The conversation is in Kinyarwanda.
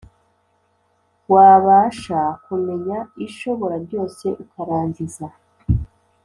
wabasha kumenya ishoborabyose ukarangiza’